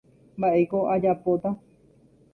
mba'éiko ajapóta